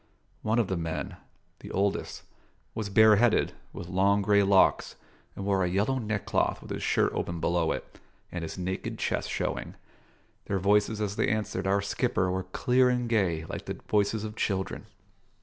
One of the men, the oldest, was bareheaded, with long grey locks, and wore a yellow neckcloth with his shirt open below it, and his naked chest showing. Their voices as they answered our skipper were clear and gay like the voices of children.